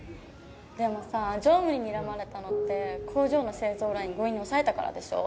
でもさ常務ににらまれたのって工場の製造ライン強引に押さえたからでしょ？